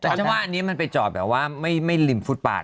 ถ้าเป็นที่รวมนี้มันไปจอดแบบว่าไม่ลิมฟุตบาท